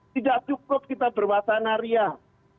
tidak cukup kita bermata nariah